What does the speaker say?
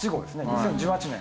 ２０１８年。